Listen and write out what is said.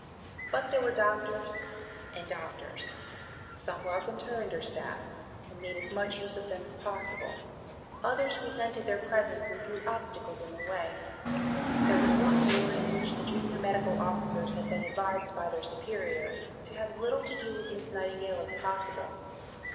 But there were doctors and doctors. Some welcomed her and her staff, and made as much use of them as possible. Others resented their presence, and threw obstacles in their way. There was one ward in which the junior medical officers had been advised by their superior to have as little to do with Miss Nightingale as possible.